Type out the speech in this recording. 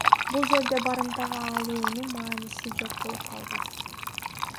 Бул жерде барымтага алуунун мааниси жок болуп калып атат.